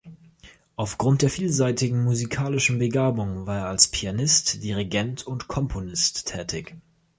Aufgrund der vielseitigen musikalischen Begabung war er als Pianist, Dirigent und Komponist tätig.